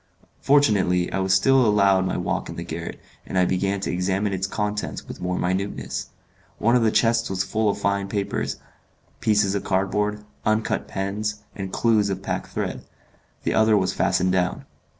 Fortunately, I was still allowed my walk in the garret, and I began to examine its contents with more minuteness. One of the chests was full of fine paper, pieces of cardboard, uncut pens, and clews of pack thread; the other was fastened down.